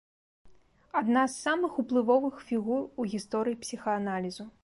Адна з самых уплывовых фігур у гісторыі псіхааналізу.